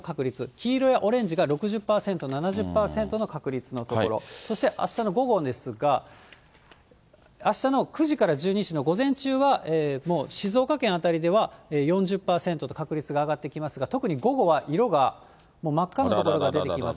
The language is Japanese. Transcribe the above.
黄色やオレンジが６０％、７０％の確率の所、そしてあしたの午後ですが、あしたの９時から１２時の午前中は、もう静岡県あたりでは４０％と確率が上がってきますが、特に午後は色がもう真っ赤な所が出てきます。